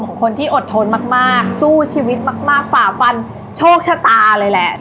ของคนที่อดทนมากสู้ชีวิตมากฝ่าฟันโชคชะตาเลยแหละ